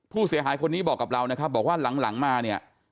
ผู้เสียหายคนนี้บอกกับเรานะครับบอกว่าหลังมาเนี่ย